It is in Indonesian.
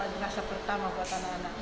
madu rasa pertama buat anak anak